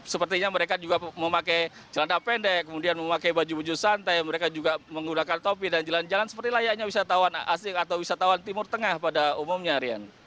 sepertinya mereka juga memakai celana pendek kemudian memakai baju baju santai mereka juga menggunakan topi dan jalan jalan seperti layaknya wisatawan asing atau wisatawan timur tengah pada umumnya rian